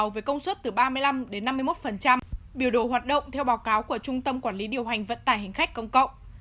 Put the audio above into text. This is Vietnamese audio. với công suất từ ba mươi năm đến năm mươi một biểu đồ hoạt động theo báo cáo của trung tâm quản lý điều hành vận tải hành khách công cộng